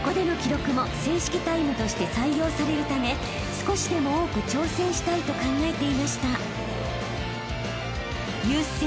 ［少しでも多く挑戦したいと考えていました］